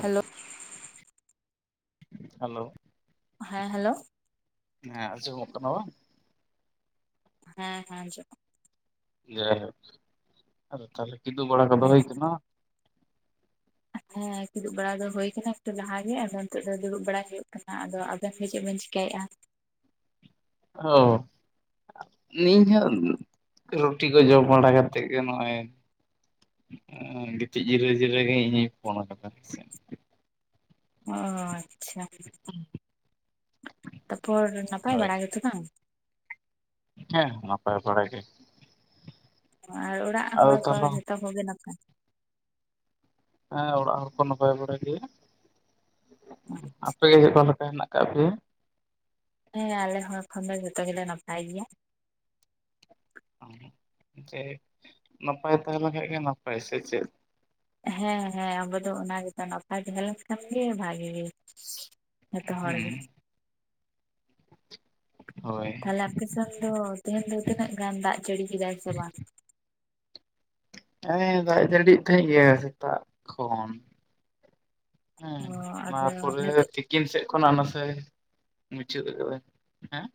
Hello hello ᱦᱮᱸ hello ᱦᱮᱸ ᱟᱡᱚᱢᱚᱜ ᱠᱟᱱᱟ ᱵᱟᱝ? ᱦᱮᱸ ᱦᱮᱸ ᱟᱡᱚᱢᱚᱜ ᱦᱮ [unintelligible] ᱟᱫᱚ ᱟᱨ ᱛᱟᱦᱚᱞᱮ ᱠᱤᱫᱩ ᱵᱟᱲᱟ ᱠᱚ ᱫᱚ ᱦᱮᱸ ᱦᱚᱭ ᱠᱟᱱᱟ? ᱦᱮᱸ ᱠᱤᱫᱩᱜ ᱵᱟᱲᱟ ᱫᱚ ᱦᱩᱭ ᱠᱟᱱᱟ ᱮᱠᱴᱩ ᱞᱟᱦᱟᱮ ᱟᱫᱚ ᱱᱤᱛᱳ ᱫᱚ ᱫᱩᱲᱩᱵ ᱵᱟᱲᱟ ᱦᱩᱭᱩᱜ ᱠᱟᱱᱟ ᱟᱫᱚ ᱟᱵᱮᱱ ᱜᱮ ᱪᱮᱛ ᱵᱮᱱ ᱪᱤᱠ -ᱠᱟᱹᱭᱼᱟ? ᱚ ᱱᱤᱣ ᱦᱚᱸ ᱨᱩᱴᱤ ᱠᱚ ᱡᱚᱢ ᱵᱟᱲᱟ ᱠᱟᱛᱮᱫ ᱜᱮ ᱱᱚᱜᱼᱚᱭ ᱜᱤᱛᱤᱡ ᱡᱤᱨᱟᱹ ᱡᱤᱨᱳ ᱜᱮ ᱤᱧ ᱦᱚᱧ ᱯᱷᱳᱱ ᱟᱠᱟᱫᱟ, [unintelligible] ᱚ ᱟᱪᱪᱷᱟ [unintelligible] ᱛᱟᱨᱯᱚᱨ ᱱᱟᱯᱟᱭ ᱦᱳᱭ ᱵᱟᱲᱟ ᱜᱮᱛᱚ ᱵᱟᱝ? ᱦᱮᱸ ᱱᱟᱯᱟᱭ ᱵᱟᱲ ᱜᱮ᱾ ᱟᱨ ᱚᱲᱟᱜ ᱟᱫᱚ ᱦᱚᱲ ᱠᱚ ᱛᱟᱦᱚᱞᱮ ᱡᱚᱛᱚ ᱠᱚᱜᱮ ᱱᱟᱯᱟᱭ᱾ ᱦᱮᱸ ᱚᱲᱟᱜ ᱦᱚᱲ ᱠᱚ ᱱᱟᱯᱟᱭ ᱵᱟᱲᱟ ᱜᱮᱭᱟ [inaudible] ᱟᱯᱮ ᱜᱮ ᱪᱮᱫ ᱞᱮᱠᱟ ᱯᱮ ᱦᱮᱱᱟᱜ? [unintelligible] ᱦᱮᱸ ᱟᱞᱮ ᱦᱚᱲ ᱠᱷᱚᱱ ᱫᱚ ᱡᱚᱛᱚ ᱜᱮᱞᱮ ᱱᱟᱯᱟᱭ ᱜᱮᱭᱟ᱾ [unintelligible] ᱡᱮ ᱱᱟᱯᱟᱭ ᱛᱟᱦᱮᱸ ᱞᱮᱱ ᱠᱷᱟᱡ ᱜᱮ ᱱᱟᱯᱟᱭ᱾ ᱥᱮ ᱪᱮᱫ? ᱦᱮᱸ ᱦᱮᱸ ᱟᱵᱚ ᱫᱚ ᱚᱱᱟ ᱜᱮᱛᱚ ᱱᱟᱯᱟᱭ ᱛᱟᱦᱮ ᱞᱮᱱ ᱠᱷᱟᱱ ᱜᱮ ᱵᱷᱟᱜᱤ ᱜᱮ᱾ ᱡᱚᱛᱚ ᱦᱚᱲ ᱦᱮᱸ ᱜᱮ᱾ ᱦᱳᱭ ᱛᱟᱦᱞᱮ ᱟᱯᱮᱥᱮᱱ ᱫᱚ ᱛᱮᱦᱮᱧ ᱫᱚ ᱛᱤᱱᱟᱹᱜ ᱜᱟᱱ ᱫᱟᱜ ᱡᱟᱹᱲᱤ ᱠᱮᱫᱟᱭ ᱥᱮ ᱵᱟᱝ? ᱦᱮᱸ ᱫᱟᱜ ᱡᱟᱹᱲᱤᱭᱮᱜ ᱛᱟᱦᱮᱸ ᱜᱮᱭᱟ ᱥᱮᱛᱟᱜ ᱠᱷᱚᱱ ᱚ ᱦᱮᱸ ᱟᱫᱚ ᱚᱱᱟᱯᱚᱨᱮ ᱱᱤᱛᱚᱜ ᱛᱤᱠᱤᱱ ᱥᱮᱫ ᱠᱷᱚᱱᱟᱜ ᱱᱟᱥᱮᱭ ᱢᱩᱪᱟᱹᱫ ᱟᱠᱟᱫᱟᱭ ᱦᱮᱸ᱾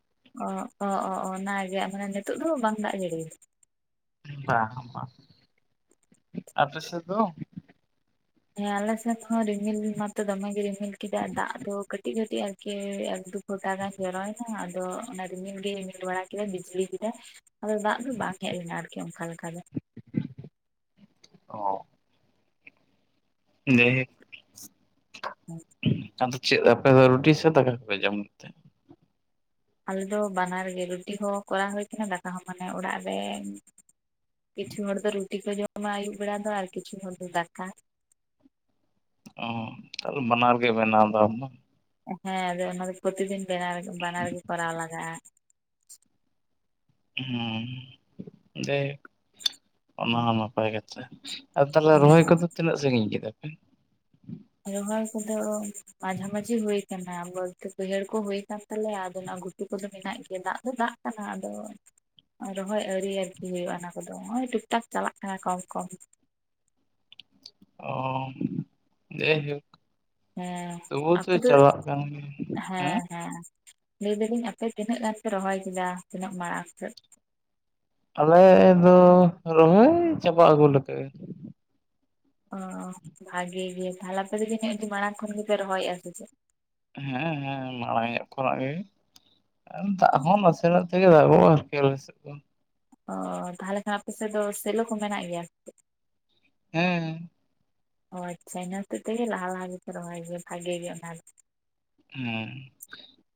ᱚ ᱚ ᱚ ᱚᱱᱟᱜᱮ ᱟᱫᱚ ᱱᱤᱛᱳᱜ ᱫᱚ ᱵᱟᱝ ᱫᱟᱜ ᱡᱟᱹᱲᱤ᱾ ᱵᱟᱝ ᱵᱟᱝ [inaudible] ᱟᱯᱮ ᱥᱮ ᱫᱚ? ᱦᱮᱸ ᱟᱞᱮ ᱥᱮᱫ ᱦᱚᱸ ᱨᱤᱢᱤᱞ ᱢᱟᱛᱚ ᱫᱚᱢᱮᱜ ᱜᱮ ᱨᱤᱢᱤᱞ ᱠᱮᱫᱟ ᱫᱟᱜ ᱫᱚ ᱠᱟᱹᱴᱤᱡ ᱠᱟᱹᱴᱤᱡ ᱟᱨᱠᱤ ᱮᱠ ᱫᱩ ᱯᱷᱴᱟ ᱜᱟᱱ ᱡᱚᱨᱚᱭᱱᱟ ᱟᱫᱚ ᱚᱱᱟ ᱨᱤᱢᱤᱞ ᱜᱮ ᱨᱤᱢᱤᱞ ᱵᱟᱲᱟ ᱠᱮᱫᱟᱭ ᱵᱤᱡᱽᱞᱤ ᱠᱮᱫᱟᱭ᱾ ᱟᱫᱚ ᱫᱟᱜ ᱫᱚ ᱵᱟᱝ ᱦᱮᱡ ᱞᱮᱱᱟ ᱟᱨᱠᱤ ᱚᱱᱠᱟ ᱞᱮᱠᱟ ᱫᱚ᱾ ᱚ ᱞᱟᱹᱭ [unintelligible] ᱦᱮᱸ ᱮᱱ [unintelligible] ᱪᱮᱫ ᱟᱯᱮ ᱫᱚ ᱨᱩᱴᱤ ᱥᱮ ᱛᱟᱠᱟ ᱠᱚᱯᱮ ᱡᱚᱢ ᱜᱤᱛᱮ? ᱟᱞᱮ ᱫᱚ ᱵᱟᱱᱟᱨ ᱜᱮ ᱨᱩᱴᱤ ᱦᱚᱸ ᱠᱚᱨᱟᱣ ᱦᱩᱭ ᱠᱟᱱᱟ ᱫᱟᱠᱟ ᱦᱚᱸ ᱢᱟᱱᱮ ᱚᱲᱟᱜ ᱨᱮ ᱠᱤᱪᱷᱩ ᱦᱚᱲ ᱫᱚ ᱨᱩᱴᱤ ᱠᱚ ᱡᱚᱢᱟ ᱟᱹᱭᱩᱵ ᱵᱮᱲᱟ ᱫᱚ ᱟᱨ ᱠᱤᱪᱷᱩ ᱦᱚᱲ ᱫᱚ ᱫᱟᱠᱟ᱾ ᱚ [unintelligible] ᱵᱟᱱᱟᱨ ᱜᱤᱭ ᱵᱮᱱᱟᱣ ᱫᱟ ᱟᱢᱫᱚ᱾ ᱦᱮᱸ ᱟᱫᱚ ᱚᱱᱟ ᱫᱚ ᱯᱨᱚᱛᱤᱫᱤᱱ ᱵᱮᱱᱟᱣ ᱨᱮ ᱵᱟᱱᱟᱨ ᱜᱮ ᱠᱚᱨᱟᱣ ᱞᱟᱜᱟᱜᱼᱟ᱾ ᱦᱮᱸ ᱫᱮ ᱚᱱᱟ ᱦᱩᱸ ᱦᱚᱸ ᱱᱟᱯᱟᱭ ᱠᱟᱛᱷᱟ᱾ ᱟᱨ ᱛᱟᱦᱚᱞᱮ ᱨᱚᱦᱚᱭ ᱠᱚᱫᱚ ᱛᱤᱱᱟᱹᱜ ᱥᱟᱺᱜᱤᱧ ᱠᱮᱫᱟ ᱯᱮ? ᱨᱚᱦᱚᱭ ᱠᱚᱫᱚ ᱢᱟᱡᱷᱟ ᱢᱟᱹᱡᱷᱤ ᱦᱩᱭ ᱟᱠᱟᱱᱟ ᱵᱟᱹᱛ ᱵᱟᱹᱭᱦᱟᱹᱲ ᱠᱚ ᱦᱩᱭ ᱟᱠᱟᱱ ᱛᱟᱞᱮᱭᱟ ᱟᱫᱚ ᱚᱱᱟ ᱜᱩ -ᱴᱩ ᱠᱚᱫᱚ ᱢᱮᱱᱟᱜ ᱜᱮᱭᱟ ᱫᱟᱜ ᱫᱚ ᱫᱟᱜ ᱠᱟᱱᱟ ᱟᱫᱚ ᱨᱚᱦᱚᱭ ᱟᱣᱨᱤ ᱟᱨᱠᱤ ᱦᱩᱭᱩᱜᱼᱟ ᱚᱱᱟ ᱠᱚᱫᱚ ᱱᱚᱜ-ᱚᱭ ᱴᱷᱤᱠ-ᱴᱷᱟᱠ ᱪᱟᱞᱟᱜ ᱠᱟᱱᱟ ᱠᱚᱢ ᱠᱚᱢ᱾ ᱚᱻ ᱡᱮ ᱡᱚᱸ ᱦᱮᱸ ᱟᱯᱮ ᱫᱚ, ᱠᱟᱱ ᱜᱮᱭᱟ ᱦᱮᱸ ᱦᱮᱸ ᱞᱟᱹᱭ ᱫᱟᱹᱞᱤᱧ ᱟᱯᱮ ᱛᱤᱱᱟᱹᱜ ᱜᱟᱱ ᱯᱮ ᱨᱚᱦᱚᱭ ᱠᱮᱫᱟ ᱛᱤᱱᱟᱹᱜ ᱢᱟᱲᱟᱝ ᱥᱮᱫ? ᱟᱞᱮ ᱫᱚ ᱨᱚᱦᱚᱭ ᱪᱟᱵᱟ ᱟᱹᱜᱩ ᱞᱮᱠᱟ ᱜᱮ᱾ ᱚ ᱵᱷᱟᱜᱮ ᱜᱮ ᱛᱟᱦᱚᱞᱮ ᱟᱯᱮ ᱡᱟᱹᱱᱤ ᱟᱹᱰᱤ ᱢᱟᱲᱟᱝ ᱠᱷᱚᱱ ᱜᱮᱯᱮ ᱨᱚᱦᱚᱭᱮᱼᱟ ᱥᱮ ᱪᱮᱫ? ᱦᱮᱸ ᱦᱮᱸ ᱢᱟᱲᱟᱝ ᱧᱚᱜ ᱠᱷᱚᱱᱟᱜ ᱜᱮ, ᱟᱨ ᱫᱟᱜ ᱦᱚᱸ ᱱᱟᱥᱮ ᱥᱮᱱᱟᱜ ᱛᱮᱜᱮ ᱫᱟᱜᱚ-ᱟ ᱟᱨᱠᱤ ᱟᱞᱮ ᱥᱮᱫ ᱫᱚ᱾ ᱚ ᱛᱟᱦᱚᱞᱮ ᱠᱷᱟᱱ ᱟᱯᱮ ᱥᱮᱫ ᱫᱚ ᱥᱮᱞᱳ ᱠᱚ ᱢᱮᱱᱟᱜ ᱜᱮᱭᱟ? ᱦᱮᱸ᱾ ᱚ ᱟᱪᱪᱷᱟ ᱤᱱᱟᱹ ᱦᱚᱛᱮᱡ ᱛᱮᱜᱮ ᱞᱟᱦᱟ ᱞᱟᱦᱟ ᱜᱮᱯᱮ ᱨᱚᱦᱚᱭ ᱜᱮ ᱵᱷᱟᱜᱮ ᱜᱮ ᱚᱱᱟ᱾ ᱦᱩᱸ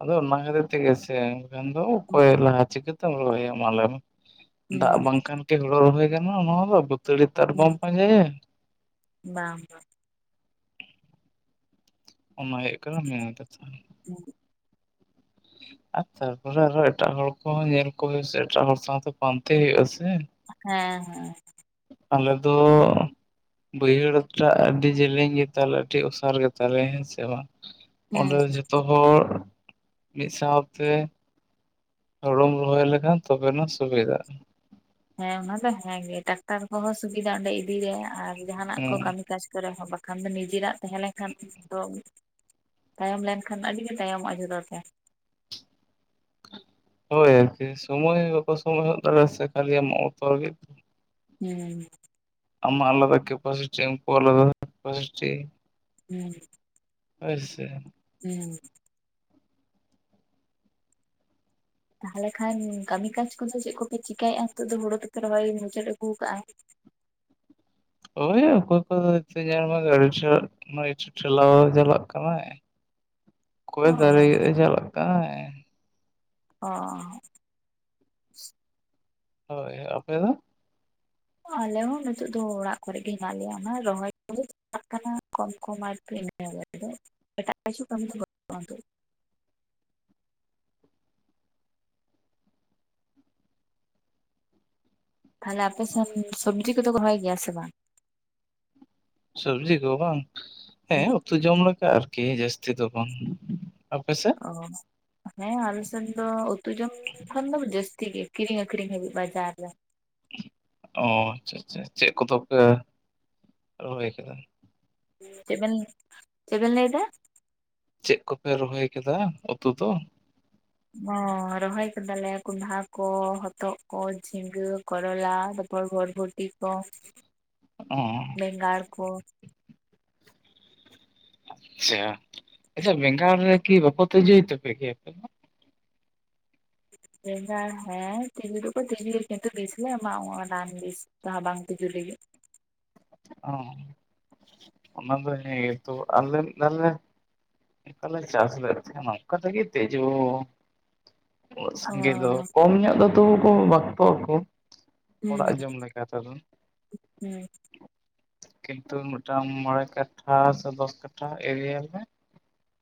ᱟᱫᱚ ᱚᱱᱟ ᱠᱷᱟᱹᱛᱤᱨ ᱛᱮᱜᱮ ᱥᱮ ᱵᱟᱠᱷᱟᱱ ᱫᱚ ᱚᱠᱚᱭ ᱞᱟᱦᱟ ᱪᱤᱠᱟᱹ ᱛᱮᱢ ᱨᱚᱦᱚᱭᱟ ᱢᱟ ᱞᱟᱹᱭ ᱢᱮ᱾ ᱫᱟᱜ ᱦᱩᱸ ᱵᱟᱝᱠᱷᱟᱱ ᱠᱤ ᱦᱩᱲᱚ ᱨᱚᱦᱚᱭ ᱜᱟᱱᱟᱜᱼᱟ ᱱᱚᱣᱟ ᱫᱚ ᱵᱟᱹ ᱛᱟᱹᱲᱤ ᱛᱟᱨ ᱦᱩᱸ ᱵᱟᱢ ᱯᱟᱸᱡᱟᱭᱮ? ᱵᱟᱝ ᱵᱟᱝ᱾ ᱚᱱᱟ ᱦᱩᱭᱩᱜ ᱠᱟᱱᱟ ᱢᱮᱱ ᱛᱟᱛᱷᱟ᱾ [inaudible] ᱟᱨ ᱛᱟᱨᱯᱚᱨᱮ ᱟᱨᱚ ᱮᱴᱟᱜ ᱦᱚᱲ ᱠᱚᱦᱚᱸ ᱧᱮᱞ ᱠᱚᱵᱮᱱ ᱥᱮ, ᱮᱴᱟᱜ ᱦᱚᱲ ᱥᱟᱶᱛᱮ ᱯᱟᱱᱛᱮ ᱦᱩᱭᱩᱜᱼᱟ ᱥᱮ? ᱦᱮᱸ ᱦᱮᱸ᱾ ᱟᱞᱮ ᱫᱚ ᱵᱟᱹᱭᱦᱟᱹᱲ ᱴᱟᱜ ᱟᱹᱰᱤ ᱡᱮᱞᱮᱧ ᱜᱮᱛᱟᱞᱮ ᱟᱹᱰᱤ ᱚᱥᱟᱨ ᱜᱮᱛᱟᱞᱮᱭᱟ, ᱦᱮᱸ ᱥᱮ ᱵᱟᱝ? ᱚᱸᱰᱮ ᱦᱮᱸ ᱡᱷᱚᱛᱚ ᱦᱚᱲ ᱢᱤ ᱥᱟᱶᱛᱮ ᱦᱩᱲᱩᱢ ᱨᱚᱦᱚᱭ ᱞᱮᱠᱷᱟᱱ ᱛᱚᱵᱮᱱᱟ ᱥᱩᱵᱤᱫᱷᱟᱜᱼᱟ᱾ ᱦᱮᱸ ᱚᱱᱟ ᱫᱚ ᱦᱮᱸᱜᱮ, ᱴᱟᱠᱴᱟᱨ ᱠᱚᱦᱚᱸ ᱥᱩᱵᱤᱫᱟ ᱚᱸᱰᱮ ᱤᱫᱤ ᱨᱮ ᱟᱨ ᱡᱟᱦᱟᱱᱟᱜ ᱠᱚ ᱦᱩᱸ ᱠᱟᱹᱢᱤ ᱠᱟᱡ ᱠᱚᱨᱮ ᱦᱚᱸ ᱵᱟᱠᱷᱟᱱ ᱫᱚ ᱱᱤᱡᱮᱨᱟᱜ ᱛᱟᱦᱮᱸ ᱞᱮᱱᱠᱷᱟᱱ ᱛᱚ ᱛᱟᱭᱚᱢ ᱞᱮᱱᱠᱷᱟᱱ ᱟᱹᱰᱤ ᱜᱮ ᱛᱟᱭᱚᱢᱚᱜᱼᱟ ᱡᱷᱚᱛᱚ ᱛᱮ᱾ ᱦᱳᱭ ᱟᱨᱠᱤ ᱥᱚᱢᱚᱭ ᱵᱟᱠᱚ ᱥᱚᱢᱚᱭ ᱦᱚᱫ ᱫᱟᱲᱮᱭᱟᱜ-ᱟ ᱥᱮ ᱠᱷᱟᱹᱞᱤ [inaudible] ᱞᱟᱹᱜᱤᱫ᱾ ᱦᱩᱸ᱾ ᱟᱢᱜ ᱟᱞᱚᱫᱟ ᱠᱮᱯᱟᱥᱤᱴᱤ ᱩᱱᱠᱩᱣᱟᱜ ᱟᱞᱟᱫᱟ ᱠᱮᱯᱟᱥᱤᱴᱤ᱾ ᱦᱩᱸ᱾ ᱦᱳᱭ ᱥᱮ᱾ ᱦᱩᱸ᱾ ᱛᱟᱦᱚᱞᱮ ᱠᱷᱟᱱ ᱠᱟᱹᱢᱤ ᱠᱟᱡᱽ ᱠᱚᱫᱚ ᱪᱮᱫ ᱠᱚᱯᱮ ᱪᱮᱤᱠᱟᱭᱮᱼᱟ? ᱱᱤᱛᱚᱜ ᱫᱚ ᱦᱩᱲᱳ ᱛᱚᱯᱮ ᱨᱚᱦᱚᱭ ᱢᱩᱪᱟᱹᱫ ᱟᱹᱜᱩ ᱠᱟᱜᱼᱟ᱾ ᱳᱭ [inaudible] ᱪᱟᱞᱟᱜ ᱠᱟᱱᱟᱭ᱾ ᱚᱠᱚᱭ ᱚ ᱫᱟᱨᱮ ᱜᱮᱫ-ᱮ ᱪᱟᱞᱟᱜ ᱠᱟᱱᱟᱭ᱾ ᱚ᱾ ᱦᱳᱭ ᱟᱯᱮ ᱫᱚ? ᱟᱞᱮ ᱦᱚᱸ ᱱᱤᱛᱚᱜ ᱫᱚ ᱚᱲᱟᱜ ᱠᱚᱨᱮᱜ ᱜᱮ ᱦᱮᱱᱟᱜ ᱞᱮᱭᱟ, ᱚᱱᱟ ᱨᱚᱦᱚᱭ ᱠᱚ ᱜᱮ᱾ ᱪᱟᱞᱟᱜ ᱠᱟᱱᱟ ᱠᱚᱢ ᱠᱚᱢ ᱟᱨᱠᱤ ᱩᱱᱟᱹᱜ ᱮ, ᱟᱫᱚ ᱮᱴᱟᱜ ᱠᱤᱪᱷᱩ ᱠᱟᱢᱤ ᱫᱚ ᱵᱟᱱᱩᱜ-ᱟ [inaudible] ᱛᱟᱦᱚᱞᱮ ᱟᱯᱮ ᱥᱮᱱ ᱥᱚᱵᱽᱡᱤ ᱠᱚᱫᱚ ᱠᱚ ᱨᱚᱦᱚᱭ ᱜᱮᱭᱟ ᱥᱮ ᱵᱟᱝ? ᱥᱚᱵᱽᱡᱤ ᱠᱚ ᱵᱟᱝ? ᱦᱮᱸ ᱩᱛᱩ ᱡᱚᱢ ᱞᱮᱠᱟ ᱟᱨ ᱠᱤ, ᱡᱟᱹᱥᱛᱤ ᱫᱚ ᱵᱟᱝ, ᱟᱯᱮ ᱥᱮᱫ? ᱚ ᱦᱮᱸ ᱟᱞᱮ ᱥᱮᱫ ᱫᱚ ᱩᱛᱩ ᱡᱚᱢ ᱠᱷᱚᱱ ᱫᱚ ᱡᱟᱹᱥᱛᱤ ᱜᱮ, ᱠᱤᱨᱤᱸᱧ ᱟᱹᱠᱷᱨᱤᱧ ᱦᱟᱹᱵᱤᱡ ᱵᱟᱡᱟᱨ ᱨᱮ᱾ ᱚ ᱟᱪᱪᱷᱟ ᱟᱪᱪᱷᱟ ᱪᱮᱫ ᱠᱚᱫᱚ ᱯᱮ ᱨᱚᱦᱚᱭ ᱟᱠᱟᱫᱟ? ᱪᱮᱫ ᱵᱮᱱ, ᱪᱮᱫ ᱵᱮᱱ ᱞᱟᱹᱭᱫᱟ? ᱪᱮᱫ ᱠᱚᱯᱮ ᱨᱚᱦᱚᱭ ᱟᱠᱮᱫᱟ ᱩᱛᱩ ᱫᱚ? ᱚ ᱨᱚᱦᱚᱭ ᱠᱟᱫᱟᱞᱮ ᱠᱚᱱᱰᱷᱟ ᱠᱚ, ᱦᱚᱛᱚᱫ ᱠᱚ, ᱡᱷᱤᱸᱜᱟᱹ, ᱠᱚᱨᱚᱞᱟ, [inaudible] ᱠᱚ [inaudible] ᱵᱮᱸᱜᱟᱲ ᱠᱚ, ᱟᱪᱪᱷᱟ ᱟᱪᱪᱷᱟ, ᱵᱮᱸᱜᱚᱲ ᱨᱮᱠᱤ ᱵᱟᱠᱚ ᱛᱮᱡᱳᱭ ᱛᱟᱯᱮ ᱜᱮᱭᱟ? ᱵᱮᱸᱜᱟᱲ ᱦᱮᱸ ᱛᱤᱡᱩ ᱫᱚᱠᱚ ᱛᱤᱡᱩᱭ ᱠᱤᱱᱛᱩ ᱵᱤᱥᱞᱮ ᱮᱢᱟᱣᱟᱜᱼᱟ ᱨᱟᱱ ᱵᱤᱥ ᱡᱟᱦᱟ ᱵᱟᱝ ᱛᱸᱤᱡᱩ ᱞᱤᱜᱤᱫ ᱾ ᱚ, ᱚᱱᱟ ᱫᱚ ᱦᱮᱸ ᱜᱮ ᱛᱚ ᱟᱞᱮ ᱢᱤᱫ ᱫᱟᱣ ᱞᱮ, ᱢᱤᱫ ᱫᱷᱟᱣᱞᱮ ᱪᱟᱥ ᱞᱮᱫ ᱛᱟᱦᱮᱱᱟ ᱚᱝᱠᱟ ᱨᱟᱜᱤ ᱛᱮᱡᱳ ᱾ ᱩᱱᱟᱹᱜ ᱚ ᱥᱟᱸᱜᱮ ᱫᱚ ᱠᱚᱢ ᱧᱚᱜ ᱫᱚ ᱛᱚᱵᱩ ᱠᱚ ᱵᱟᱠᱛᱚᱜ ᱟᱠᱚ ᱾ ᱦᱩᱸ ᱦᱩᱸ, ᱠᱤᱱᱛᱩ ᱢᱮᱫᱴᱟᱝ ᱢᱚᱬᱮ ᱠᱟᱴᱷᱟ ᱥᱮ ᱫᱚᱥ ᱠᱟᱴᱷᱟ ᱮᱨᱤᱭᱟ ᱨᱮ,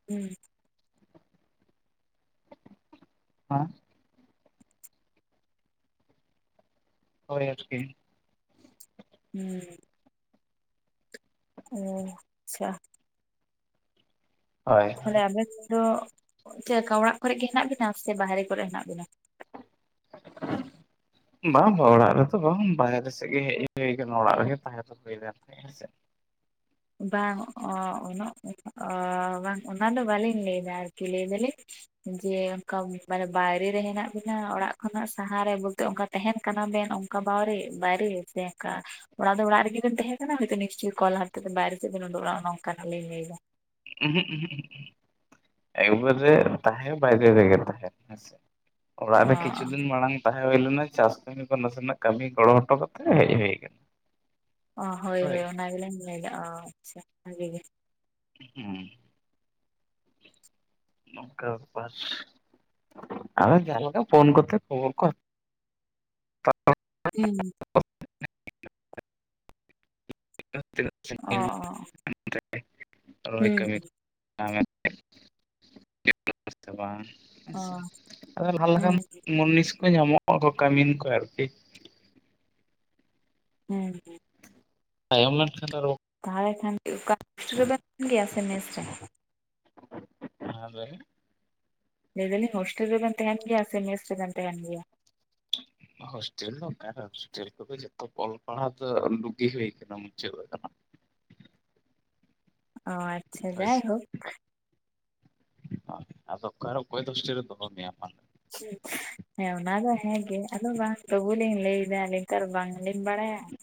ᱦᱩᱸ, ᱦᱮᱸ ᱦᱳᱭ ᱟᱨᱠᱤ, ᱦᱩᱸ, ᱚᱻ ᱟᱪᱪᱷᱟ, ᱦᱳᱭ, ᱛᱟᱦᱚᱞᱮ ᱟᱵᱮᱱ ᱫᱚ, ᱪᱮᱫᱠᱟ ᱚᱲᱟᱜ ᱠᱚᱨᱮ ᱜᱮ ᱦᱮᱱᱟᱜ ᱵᱤᱱᱟ ᱥᱮ ᱵᱟᱦᱮᱨᱮ ᱠᱚᱨᱮ ᱦᱮᱱᱟᱜ ᱵᱤᱱᱟ? ᱵᱟᱝ ᱵᱟᱝ ᱚᱲᱟᱜ ᱨᱮᱛᱚ ᱵᱟᱝ ᱵᱟᱦᱮᱨᱮ ᱥᱮᱫ ᱜᱮ ᱦᱮᱡ ᱦᱳᱭ ᱠᱟᱱᱟ ᱚᱲᱟᱜ ᱨᱮᱜᱮ ᱛᱟᱦᱮᱸ ᱫᱚ ᱾ [inaudible] ᱦᱮᱸ ᱥᱮ‌ ᱵᱟᱝ ᱵᱟᱝ ᱚ ᱚᱱᱟ ᱫᱚ ᱵᱟᱞᱤᱧ ᱞᱟᱹᱭ ᱮᱫᱟ ᱟᱨᱠᱤ ᱞᱟᱹᱭ ᱫᱟᱞᱤᱧ, ᱡᱮ ᱚᱱᱠᱟ ᱢᱟᱱᱮ ᱵᱟᱭᱨᱮ ᱨᱮ ᱦᱮᱱᱟᱜ ᱵᱤᱱᱟ ᱚᱲᱟᱜ ᱠᱷᱚᱱᱟᱜ ᱥᱟᱦᱟᱨ ᱨᱮ ᱵᱚᱞᱛᱮ ᱚᱱᱠᱟ ᱛᱟᱦᱮᱱ ᱠᱟᱱᱟ ᱵᱮᱱ ᱚᱝᱠᱟ ᱵᱟᱣᱨᱮ ᱵᱟᱭᱨᱮ ᱥᱮ ᱚᱱᱠᱟ? ᱚᱲᱟᱜ ᱫᱚ ᱚᱲᱟᱜ ᱨᱮᱜᱮ ᱵᱮᱱ ᱛᱟᱦᱮᱸ ᱠᱟᱱᱟ ᱱᱮᱥᱪᱩᱭ ᱠᱚᱞ ᱞᱟᱦᱟ ᱱᱤᱛᱳᱜ ᱫᱚ ᱵᱟᱭᱨᱥᱮᱫ ᱵᱮᱱ ᱩᱰᱳᱜ ᱱᱚᱝᱠᱟ ᱱᱟᱜ ᱞᱤᱧ ᱞᱟᱹᱭᱫᱟ? ᱩᱦᱩᱜ ᱩᱦᱩᱜ, ᱮᱠᱵᱟᱨᱮ ᱛᱟᱦᱮᱸ ᱵᱟᱭᱨᱮ ᱜᱮ ᱛᱟᱦᱮᱸ ᱦᱮᱸ ᱥᱮ? ᱚᱲᱟᱜ ᱨᱮ ᱠᱤᱪᱷᱩ ᱫᱤᱱ ᱢᱟᱲᱟᱝ, ᱛᱟᱦᱮᱸ ᱦᱳᱭ ᱞᱮᱱᱟ ᱪᱟᱥ ᱠᱟᱹᱢᱤ ᱠᱚ ᱱᱟᱥᱮᱱᱟᱜ ᱠᱟᱹᱢᱤ ᱜᱚᱲᱚ ᱦᱚᱴᱚ ᱠᱟᱛᱮ ᱦᱮᱡ ᱦᱳᱭ ᱟᱠᱟᱱᱟ ᱾ ᱚ ᱦᱳᱭ ᱦᱳᱭ ᱚᱱᱟ ᱜᱮᱞᱤᱧ ᱞᱟᱹᱭᱫᱟ ᱚ ᱟᱪᱪᱷᱟ, ᱵᱷᱟᱜᱮ ᱜᱮ ᱦᱩᱸ, ᱱᱚᱝᱠᱟ ᱵᱮᱯᱟᱨ ᱟᱫᱚ ᱡᱟᱦᱟᱱ ᱞᱮᱠᱟ ᱯᱷᱳᱱ ᱠᱚᱛᱮ ᱠᱷᱚᱵᱚᱨ ᱠᱚ [inaudible] ᱚ ᱚ [inaudible] ᱨᱚᱭ ᱦᱩᱸ ᱠᱟᱹᱢᱤ [inaudible] ᱛᱚ ᱵᱟᱝ ᱦᱮ ᱚ ᱥᱮ, ᱛᱚᱵᱮ ᱞᱟᱦᱟ ᱞᱮᱠᱟᱱ ᱦᱩᱸ ᱢᱩᱱᱤᱥ ᱠᱚ ᱧᱟᱢᱚᱜ ᱦᱚ ᱠᱚ ᱠᱟᱢᱤᱱ ᱠᱚ ᱟᱨᱠᱤ, ᱦᱮᱸ ᱦᱮᱸ, ᱛᱟᱭᱚᱢ ᱞᱮᱱᱠᱷᱟᱱ ᱟᱨᱚ, [inaudible] ᱥᱮ ᱢᱮᱮᱥ ᱨᱮ? [unintelligible] ᱞᱟᱹᱭ ᱫᱟᱞᱤᱧ ᱦᱳᱥᱴᱮᱞ ᱨᱮᱵᱮᱱ ᱛᱟᱦᱮᱱ ᱜᱮᱭᱟ ᱥᱮ ᱢᱮᱥ ᱨᱮᱵᱮᱱ ᱛᱟᱦᱮᱱ ᱜᱮᱭᱟ? [unintelligible] ᱦᱳᱥᱴᱮᱞ ᱫᱚ ᱚᱱᱠᱟ ᱨᱮ ᱦᱳᱥᱴᱮᱞ ᱠᱚ ᱫᱚ ᱡᱚᱛᱚ ᱚᱞ ᱯᱟᱲᱦᱟᱜ ᱫᱚ ᱫᱩᱜᱤ ᱦᱳᱭ ᱠᱟᱱᱟ ᱢᱩᱪᱟᱹᱫ ᱠᱟᱱᱟ ᱾ [unintelligible] ᱚ ᱟᱪᱪᱷᱟ ᱡᱟᱭᱦᱳᱠ, ᱟᱫᱚ ᱚᱠᱟᱨᱮ ᱚᱠᱚᱭ ᱫᱚ ᱫᱳᱥᱴᱮᱞ ᱨᱮ ᱫᱚᱦᱚ ᱢᱮᱭᱟ ᱢᱟ ᱞᱮ ᱢᱮ? ᱦᱮ ᱚᱱᱟ ᱫᱚ ᱦᱮ ᱜᱮ ᱟᱫᱚ ᱵᱟᱝ ᱛᱚᱵᱩ ᱞᱤᱧ ᱞᱟᱹᱭᱫᱟ ᱱᱮᱛᱟᱨ ᱵᱟᱝ, ᱦᱮᱡ ᱵᱟᱲᱟᱭᱟ ᱾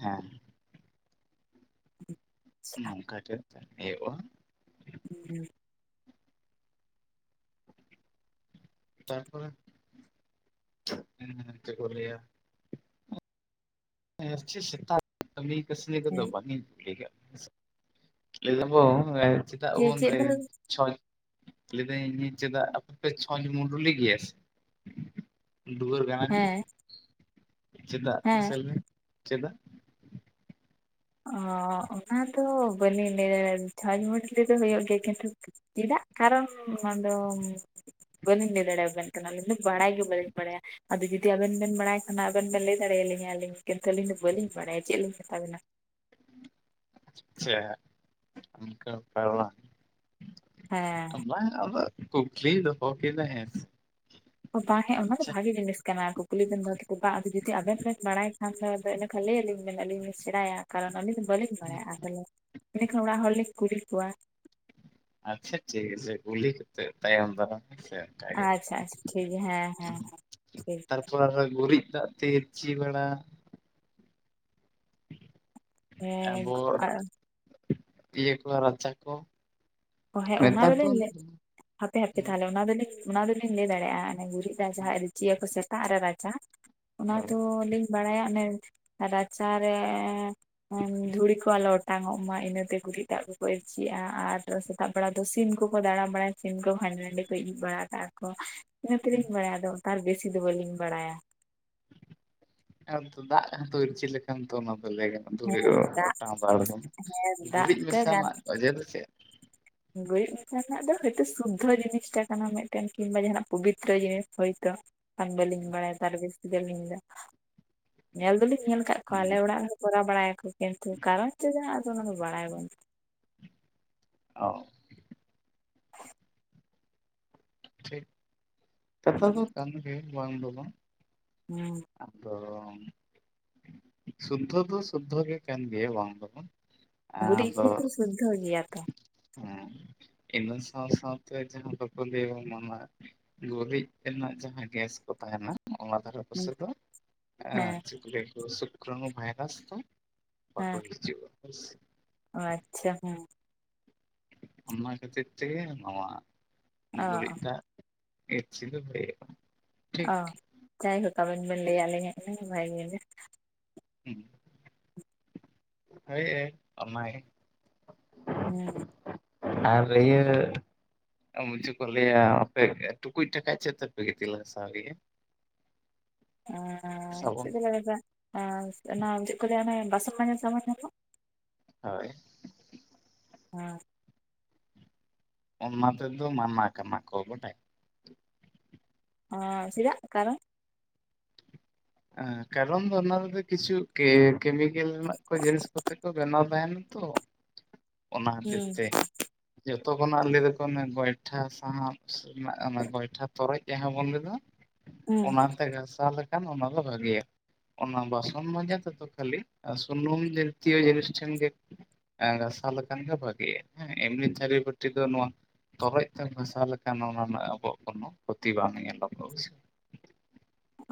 ᱦᱮᱸ [inaudible] ᱱᱚᱝᱠᱟ ᱪᱮᱫ ᱦᱳᱭᱳᱜ ᱟ ᱾ [unintelligible] ᱛᱟᱨᱯᱚᱨᱮ ᱦᱮᱸ ᱪᱮᱜ ᱠᱚ ᱞᱟᱹᱭᱟ ᱾ ᱟᱨ ᱪᱮ ᱥᱮᱛᱟ ᱠᱟᱹᱢᱤ ᱠᱟᱹᱥᱱᱤ ᱠᱚᱫᱚ ᱦᱮᱸ ᱵᱟᱹᱠᱤᱱ ᱠᱩᱞᱤᱭᱟ ᱞᱟᱹᱭ ᱫᱟᱵᱚ ᱮ ᱪᱮᱫᱟᱜ ᱪᱮᱫ ᱵᱚᱱ ᱪᱮᱫ ᱞᱟᱹᱭ ᱵᱮᱱ ᱪᱷᱚᱭ ᱞᱟᱹᱭ ᱫᱟᱹᱧ ᱪᱮᱫᱟᱜ ᱟᱯᱮ ᱯᱮ ᱪᱷᱚᱪ ᱢᱩᱰᱩᱞᱤᱭ ᱜᱮᱭᱟ ᱥᱮ᱾ ᱫᱩᱣᱟᱹᱨ ᱜᱟᱱᱟᱰᱤ ᱾ ᱦᱮᱸ ᱪᱮᱫᱟᱜ ᱦᱮᱸ ᱢᱟᱥᱮ ᱞᱟᱹᱭ ‌ᱢᱮ ᱪᱮᱫᱟᱜ? ᱚ ᱚᱱᱟ ᱫᱚ ᱵᱟᱹᱞᱤᱧ‌ ᱞᱟᱹᱭ ᱫᱟᱲᱮᱜ ᱪᱷᱚᱪ ᱢᱟᱰᱞᱤ ᱫᱚ ᱦᱩᱭᱩᱜ ᱜᱮᱭᱟ ᱠᱤᱱᱛᱩ ᱪᱤᱫᱟᱜ ᱠᱟᱨᱚᱱ ᱚᱱᱟ ᱫᱚᱢ ᱵᱟᱹᱞᱤᱧ ᱞᱟᱹᱭ ᱫᱟᱲᱮᱣ ᱵᱮᱱ ᱠᱟᱱᱟ ᱟᱹᱞᱤᱧ ᱫᱚ ᱵᱟᱲᱟᱭ ᱜᱮ ᱵᱟᱹᱞᱤᱧ ᱵᱟᱲᱟᱭᱟ᱾ ᱟᱫᱚ ᱡᱩᱫᱤ ᱟᱵᱮᱱ ᱵᱮᱱ ᱵᱟᱲᱟᱭ ᱠᱷᱟᱱ ᱟᱵᱮᱱ ᱵᱮᱱ ᱞᱟᱹᱭ ᱫᱟᱲᱮᱭᱟᱹ ᱞᱤᱧᱟ ᱟᱹᱞᱤᱧ ᱠᱤᱱᱛᱩ ᱟᱹᱞᱤᱧ ᱫᱚ ᱵᱟᱹᱞᱤᱧ ᱵᱟᱲᱟᱭᱟ ᱪᱮᱜ ᱞᱤᱧ ᱢᱮᱛᱟ ᱵᱮᱱᱟ᱾ ᱟᱪᱪᱷᱟ ᱚᱱᱠᱟ ᱵᱮᱯᱟᱨ ᱵᱟᱝ ᱦᱮᱸ ᱵᱟᱝ ᱟᱫᱚ ᱠᱩᱠᱞᱤᱧ ᱫᱚᱦᱚ ᱠᱮᱫᱟ ᱦᱮᱸ ᱥᱮ ᱾ ᱵᱟ ᱦᱮᱸ ᱚᱱᱟ ᱫᱚ ᱵᱷᱟᱹᱜᱤ ᱡᱤᱱᱤᱥ ᱠᱟᱱᱟ ᱠᱩᱠ ᱠᱩᱞᱤ ᱵᱮᱱ ᱫᱚᱦᱚ ᱠᱮᱫᱟ ᱵᱟ ᱟᱫᱚ ᱡᱩᱫᱤ ᱟᱵᱮᱱ ᱵᱮᱱ ᱵᱟᱲᱟᱭ ᱠᱷᱟᱱ ᱫᱚ ᱟᱫᱚ ᱤᱱᱟᱹ ᱠᱷᱟᱱ ᱞᱟᱹᱭ ᱟᱞᱤᱧ ᱵᱮᱱ ᱟᱹᱞᱤᱧ ᱞᱤᱧ ᱥᱮᱬᱟᱭᱟ ᱠᱟᱨᱚᱱ ᱟᱹᱞᱤᱧ ᱫᱚ ᱵᱟᱹᱞᱤᱧ ᱵᱟᱲᱟᱭᱟ ᱟ ᱛᱟᱦᱞᱮ ᱮᱸᱰᱮ ᱠᱷᱟᱱ ᱚᱲᱟᱜ ᱦᱚᱲ ᱞᱤᱧ ᱠᱩᱞᱤ ᱠᱚᱣᱟ᱾ ᱟᱪᱪᱷᱟ ᱴᱷᱤᱠ ᱟᱪᱷᱮ ᱠᱩᱞᱤ ᱠᱟᱛᱮᱜ ᱛᱟᱭᱚᱢ ᱫᱟᱨᱟᱢ ᱦᱮᱸ ᱥᱮ᱾ ᱛᱟᱭ ᱟᱪᱪᱷᱟ ᱟᱪᱪᱷᱟ ᱴᱷᱤᱠ ᱜᱮᱭᱟ ᱦᱮᱸ ᱦᱮᱸ ᱴᱷᱤᱠ ᱛᱟᱨᱯᱚᱨ ᱟᱨ‌ᱦᱚᱸ ᱜᱩᱨᱤᱡ ᱫᱟᱜ ᱛᱮ ᱪᱤ ᱵᱟᱲᱟ ᱦᱮᱸ ᱟᱵᱚ ᱛᱤᱭᱟᱹ ᱠᱚ ᱨᱟᱪᱟ ᱠᱚ᱾ ᱚ ᱦᱮᱸ ᱚᱱᱟ ᱱᱮᱛᱟᱨ ᱫᱚ ᱫᱚᱞᱤᱧ ᱢᱮ ᱦᱟᱯᱮ ᱦᱟᱯᱮ ᱛᱟᱦᱚᱞᱮ ᱚᱱᱟ ᱫᱚᱞᱤᱧ ᱚᱱᱟ ᱫᱚᱞᱤᱧ ᱞᱟᱹᱭ ᱫᱟᱲᱮᱜ-ᱟ ᱾ ᱚᱱᱮ ᱜᱩᱨᱤᱡ ᱫᱟᱜ ᱡᱟᱦᱟᱸ ᱤᱨᱪᱤ ᱭᱟᱠᱚ ᱥᱮᱛᱟᱜ ᱨᱮ ᱨᱟᱪᱟ ᱚᱱᱟ ᱦᱳᱭ ᱫᱚ ᱞᱤᱧ ᱵᱟᱲᱟᱭᱟ ᱚᱱᱮ ᱨᱟᱪᱟ ᱨᱮ ᱮᱝ ᱫᱷᱩᱲᱤ ᱠᱚ ᱟᱞᱚ ᱚᱴᱟᱝᱚᱜ ᱢᱟ ᱤᱱᱟᱹ ᱛᱮ ᱜᱩᱨᱤᱡ ᱫᱟᱜ ᱠᱚᱠᱚ ᱤᱨᱪᱤᱭᱟ ᱟᱨ ᱰᱚ ᱥᱮᱼᱼ ᱥᱮᱛᱟᱜ ᱵᱮᱲᱟ ᱫᱚ ᱥᱤᱢ ᱠᱚᱠᱚ ᱫᱟᱬᱟ ᱵᱟᱲᱟᱭᱟ ᱥᱤᱢ ᱠᱚ ᱦᱟᱸᱰᱮ ᱱᱟᱸᱰᱮ ᱠᱚ ᱤᱡ ᱵᱟᱲᱟ ᱠᱟᱜ-ᱟ ᱠᱚ ᱛᱟ ᱤᱱᱟᱹ ᱛᱮᱞᱤᱧ ᱵᱟᱲᱟᱭᱟ ᱟᱫᱚ ᱛᱟᱨ ᱵᱮᱥᱤ ᱫᱚ ᱵᱟᱹᱞᱤᱧ ᱵᱟᱲᱟᱭᱟ᱾ ᱟᱨ ᱛᱚ ᱫᱟᱜ ᱦᱚᱸ ᱛᱚ ᱤᱨᱪᱤ ᱞᱮᱠᱷᱟᱱ ᱛᱚ ᱚᱱᱟ ᱛᱚ ᱞᱟᱹᱭ ᱜᱟᱱᱚᱜ ᱾ ᱫᱷᱩᱲᱤ ᱦᱮᱸ ᱚᱜ-ᱚ ᱫᱟᱜ ᱚᱴᱟᱝ ᱵᱟᱲᱟᱭᱟ ᱫᱟᱜ ᱜᱩᱨᱤᱡ ᱛᱮ ᱢᱮᱥᱟ ᱜᱟᱱ ᱨᱮᱱᱟᱜ ᱚᱡᱮ ᱫᱚ ᱪᱮᱜ? ᱜᱩᱨᱤᱡ ᱢᱮᱥᱟ ᱨᱮᱱᱟᱜ ᱫᱚ ᱦᱚᱭᱛᱚ ᱥᱩᱫᱽᱫᱷᱚ ᱡᱤᱱᱤᱥ ᱴᱟ ᱠᱟᱱᱟ ᱢᱮᱫᱴᱮᱱ ᱠᱤᱝᱵᱟ ᱡᱟᱦᱟᱸ ᱱᱟᱜ ᱯᱚᱵᱤᱛᱨᱚ ᱡᱤᱱᱤᱥ ᱦᱚᱭᱛᱚ ᱾ ᱟᱨ ᱵᱟᱹᱞᱤᱧ ᱵᱟᱲᱟᱭᱟ ᱛᱟᱦᱚᱞᱮ ᱡᱟᱹᱥᱛᱤ ᱫᱚ ᱟᱹᱞᱤᱧ ᱫᱚ᱾ ᱧᱮᱞ ᱫᱩᱞᱤᱧ ᱧᱮᱞ ᱠᱟᱜ ᱠᱚᱣᱟ ᱦᱩᱸ ᱟᱞᱮ ᱚᱲᱟᱜ ᱨᱮᱦᱚᱸ ᱠᱚᱨᱟᱣ ᱵᱟᱲᱟᱭᱟ ᱠᱚ ᱾ ᱠᱮᱱᱛᱩ ᱠᱟᱨᱚᱱ ᱪᱮᱜ ᱠᱟᱱᱟ ᱟᱫᱚ ᱚᱱᱟ ᱫᱚ ᱵᱟᱲᱟᱭ ᱵᱟᱹᱱᱩᱜ ᱚ [inaudible] ᱴᱷᱤᱠ ᱠᱟᱛᱷᱟ ᱫᱚ ᱠᱟᱱ ᱜᱮ ᱵᱟᱝ ᱫᱚ ᱵᱟᱝ ᱾ ᱦᱩᱸ ᱾ ᱟᱫᱚ ᱥᱩᱫᱽᱫᱷᱚ ᱫᱚ ᱥᱩᱫᱽᱫᱷᱚ ᱜᱮ ᱠᱟᱱ ᱜᱮᱭᱟ ᱵᱟᱝ ᱫᱚ ᱵᱟᱝ᱾ ᱜᱩᱨᱤᱡ ᱟᱫᱚ ᱡᱤᱱᱤᱥ ᱫᱚ ᱥᱩᱫᱽᱫᱷᱚ ᱜᱮᱭᱟ ᱛᱚ᱾ ᱦᱮᱸ ᱤᱱᱟᱹ ᱥᱟᱶ ᱥᱟᱶᱛᱮ ᱡᱟᱦᱟᱸ ᱵᱟᱠᱚ ᱞᱟᱹᱭᱟ ᱢᱟᱱᱮ ᱜᱩᱨᱤᱡ ᱛᱮᱱᱟᱜ ᱡᱟᱦᱟᱸ ᱜᱮᱥ ᱠᱚ ᱛᱟᱦᱮᱱᱟ ᱚᱱᱟ ᱫᱷᱟᱨᱮ ᱦᱮᱸ [unintelligible] ᱪᱮᱜ ᱠᱚ ᱞᱟᱹᱭᱟ ᱠᱚ ᱥᱩᱠᱨᱟᱱᱩ ᱵᱷᱟᱭᱨᱟᱥ ‌ᱠᱚ᱾ ᱵᱟᱠᱚ ᱦᱮᱸ ᱦᱤᱡᱩᱜ-ᱟ ᱦᱳᱭ ᱥᱮ ᱾ ᱟᱪᱪᱷᱟ ᱦᱮᱸ᱾ ᱚᱱᱟ ᱠᱷᱟᱹᱛᱤᱨ ᱛᱮᱜᱮ ᱱᱚᱣᱟ ᱚ ᱜᱩᱨᱤᱡ ᱫᱟᱜ ᱤᱨᱪᱤ ᱫᱚ ᱦᱩᱭᱩᱜ-ᱟ᱾ ᱚ ᱡᱟᱭᱦᱳᱠ ᱟᱵᱤᱱ ᱵᱤᱱ ᱞᱟᱹᱭᱟᱜ ᱞᱤᱧᱟ ᱤᱱᱟᱹ ᱜᱮ ᱵᱷᱟᱜᱮ ᱡᱤᱱᱤᱥ ᱾ ᱦᱩᱸ ᱦᱩᱸ᱾ ᱦᱳᱭ ᱮ ᱚᱱᱟ ᱜᱮ ᱾ ᱦᱩᱸ᱾ ᱟᱨ ᱟᱹᱭᱟᱹᱼᱼ [unintelligible] ᱪᱮᱫ ᱠᱚ ᱞᱟᱹᱭᱟ, ᱟᱯᱮ ᱴᱩᱠᱩᱡ ᱴᱟᱠᱟᱡ ᱪᱮᱫ ᱛᱮᱯᱮ ᱜᱤᱛᱤᱞ ᱜᱟᱥᱟᱣ ᱜᱮᱭᱟ? ᱮᱸᱻ ᱥᱟᱵᱚᱱ ᱪᱮᱫ ᱛᱮᱞᱮ ᱜᱟᱥᱟᱣᱟ ᱚᱱᱟ ᱪᱮᱫ ᱠᱚ ᱞᱟᱹᱭᱟ ᱚᱱᱮ ᱵᱟᱥᱚᱱ ᱢᱟᱡᱟ ᱥᱟᱵᱟᱱ ᱧᱟᱢᱚᱜ, ᱦᱳᱭ᱾ ᱦᱮᱸ᱾ ᱚᱱᱟ ᱛᱮᱫ ᱫᱚ ᱢᱟᱱᱟ ᱠᱟᱱᱟ ᱠᱚ ᱵᱚᱴᱮ, ᱚᱻ ᱪᱮᱫᱟᱜ ᱠᱟᱨᱚᱱ? ᱠᱟᱨᱚᱱ ᱫᱚ ᱚᱱᱟ ᱨᱮ ᱫᱚ ᱠᱤᱪᱷᱩ ᱠᱮ ᱠᱮᱢᱤᱠᱮᱞ ᱨᱮᱱᱟᱜ ᱠᱚ ᱡᱤᱱᱤᱥ ᱠᱚᱛᱮ ᱠᱚ ᱵᱮᱱᱟᱣ ᱛᱟᱦᱮᱱᱟ ᱛᱚ, ᱚᱱᱟ ᱠᱷᱟᱹᱛᱤᱨ ᱦᱩᱸ ᱛᱮ, ᱡᱷᱚᱛᱚ ᱠᱷᱚᱱᱟᱜ ᱞᱟᱹᱭ ᱫᱟᱠᱚ ᱚᱱᱟ ᱜᱚᱭᱴᱷᱟ ᱥᱟᱦᱟᱱ ᱼᱼ ᱨᱮᱱᱟᱜ ᱚᱱᱟ ᱜᱚᱸᱭᱴᱷᱟ ᱛᱚᱨᱚᱡ ᱡᱟᱦᱟᱸ ᱵᱚᱱ ᱞᱮᱫᱟ, ᱦᱩᱸ ᱚᱱᱟᱛᱮ ᱜᱟᱥᱟᱣ ᱞᱮᱠᱷᱟᱱ ᱚᱱᱟ ᱼᱼ ᱫᱚ ᱵᱷᱟᱜᱮᱭᱟ। ᱚᱱᱟ ᱵᱟᱥᱚᱱ ᱢᱟᱡᱟ ᱛᱮᱫᱚ ᱠᱷᱟᱹᱞᱤ, ᱥᱩᱱᱩᱢ ᱡᱟᱛᱤᱭᱚ ᱡᱤᱱᱤᱥ ᱴᱷᱮᱱ ᱜᱮ ᱼᱼ ᱟᱻ ᱜᱟᱥᱟᱣ ᱞᱮᱠᱷᱟᱱ ᱜᱮ ᱵᱷᱟᱹᱜᱤᱜ-ᱟ, ᱦᱮᱸ ᱮᱢᱱᱤ ᱛᱷᱟᱹᱨᱤ ᱵᱟᱹᱴᱤ ᱫᱚ ᱱᱚᱣᱟ ᱼᱼ ᱛᱚᱨᱚᱡ ᱛᱮᱢ ᱜᱟᱥᱟᱣ ᱞᱮᱠᱷᱟᱱ, ᱚᱱᱟ ᱨᱮᱱᱟᱜ ᱟᱵᱚᱣᱟᱜ ᱠᱳᱱᱳ ᱠᱷᱚᱛᱤ ᱵᱟᱝ ᱧᱮᱞᱚᱜᱚᱜ-ᱟ, ᱵᱩᱡᱷᱟᱹᱣ᱾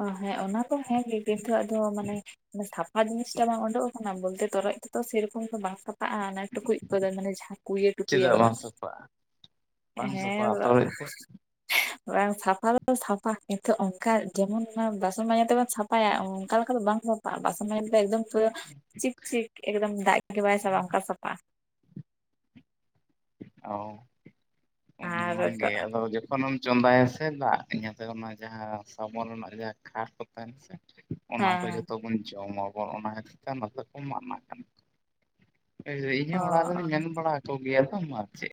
ᱚ ᱦᱮᱸ ᱚᱱᱟ ᱠᱚ ᱦᱮᱸ ᱜᱮ, ᱱᱤᱛᱚᱜ ᱫᱚ ᱢᱟᱱᱮ ᱥᱟᱯᱷᱟ ᱡᱤᱱᱤᱥᱴᱟ ᱵᱟᱝ ᱩᱰᱩᱠ ᱼᱼ ᱚᱱᱟ ᱵᱚᱞᱛᱮ ᱛᱚᱨᱚᱡ ᱛᱮ ᱛᱚ ᱥᱮᱨᱚᱠᱚᱢ ᱫᱚ ᱵᱟᱝ ᱥᱟ ᱼᱼ ᱯᱷᱟᱜ-ᱟ ᱚᱱᱟ ᱴᱩᱠᱩᱡ ᱠᱚᱫᱚ, ᱢᱟᱱᱮ ᱡᱟᱦᱟᱸ ᱠᱩᱭᱟᱹ ᱴᱩᱠᱩᱡ ᱪᱮᱫᱟᱜ ᱟᱵᱟᱨ᱾ ᱵᱟᱝ ᱥᱟᱯᱷᱟᱜᱼᱟ ᱮ ᱵᱟᱝ ᱦᱮᱸ᱾ ᱥᱟᱯᱷᱟᱜᱼᱟ ᱛᱚᱨᱚᱡ ᱛᱮ [inaudible] ᱵᱟᱝ ᱥᱟᱯᱷᱟ ᱫᱚ ᱥᱟᱯᱷᱟ᱾ ᱠᱤᱱᱛᱩ ᱚᱱᱠᱟ ᱡᱮᱢᱚᱱ ᱚᱭ ᱵᱟᱥᱚᱱ ᱢᱟᱡᱟ ᱛᱮᱢᱚᱱ ᱥᱟᱯᱷᱼᱼ ᱥᱟᱯᱟᱭᱟ ᱚᱝᱠᱟ ᱞᱮᱠᱟ ᱫᱚ ᱵᱟᱝ ᱵᱟᱥᱚᱱ ᱢᱟᱡᱟ ᱛᱮᱫᱚ ᱮᱠᱫᱚᱢ ᱪᱤᱠ ᱪᱤᱠ ᱮᱠᱫᱚᱢ ᱡᱟᱦᱟ ᱫᱟᱜ [inaudible] ᱜᱮ ᱵᱟᱭ ᱥᱟᱵᱟ ᱚᱱᱠᱟ ᱥᱟᱯᱷᱟᱜ-ᱟ᱾ ᱚ, ᱟᱨ ᱚᱱ-ᱚᱱᱟᱜᱮ ᱟᱫᱚ ᱡᱚᱛ ᱼᱼ ᱠᱷᱚᱱᱮᱢ ᱪᱚᱸᱫᱟᱭᱟ ᱥᱮ, ᱫᱟᱜᱛᱮ ᱚᱱᱟ ᱡᱟᱦᱟᱸ ᱥᱟᱵᱚᱱ ᱨᱮᱱᱟᱜ ᱡᱟᱦᱟᱸ ᱠᱷᱟᱨ ᱠᱚ ᱛᱟᱦᱮᱱᱟ ᱥᱮ ᱼᱼ ᱚᱱᱟ ᱠᱚ ᱦᱮᱸ ᱡᱚᱛᱚ ᱵᱚᱱ ᱡᱚᱢᱟᱵᱚᱱ, ᱚᱱᱟ ᱠᱷᱟᱛᱤᱨ ᱛᱮ ᱚᱱᱟ ᱫᱚ ᱠᱚ ᱢᱟᱱᱟ ᱠᱟᱱᱟ᱾ ᱮᱭ ᱡᱮ ᱤᱧ ᱚ ᱦᱚᱸ ᱚᱲᱟᱜ ᱨᱮ ᱚ ᱫᱩᱧ ᱢᱮᱱ ᱵᱟᱲᱟ ᱠᱚ ᱜᱮᱭᱟ ᱛᱚ, ᱢᱟ ᱼᱼ